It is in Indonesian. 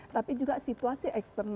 tapi juga situasi itu juga kita lihat